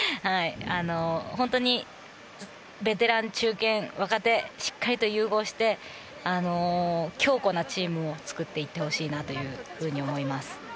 本当にベテラン、中堅、若手がしっかりと融合して強固なチームを作っていってほしいなと思います。